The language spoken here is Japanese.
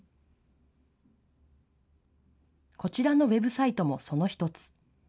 こちらのウェブサイトもその１つ。